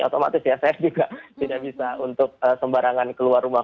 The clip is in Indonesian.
otomatis ya saya juga tidak bisa untuk sembarangan keluar rumah